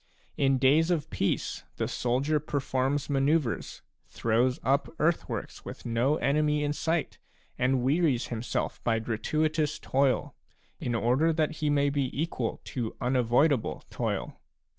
In days of peace the soldier performs manoeuvres, throws up earthworks with no enemy in sight, and wearies himself by gratuitous toil, in order that he may be equal to unavoidable toil.